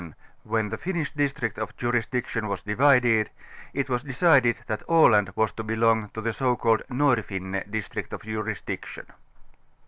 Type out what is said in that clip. In 1435, when the Finnish district of jurisdiction was divided, it was decided that Aland was to belong to the so called ŌĆ×N'orfinne" district of jurisdiction.